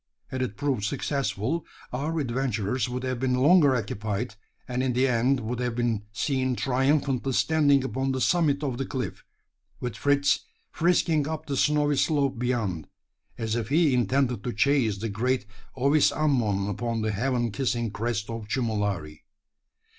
Had it proved successful, our adventurers would have been longer occupied, and in the end would have been seen triumphantly standing upon the summit of the cliff with Fritz frisking up the snowy slope beyond, as if he intended to chase the great ovis ammon upon the heaven kissing crest of Chumulari.